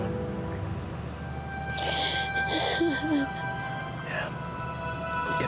bukinan kita ada bukinan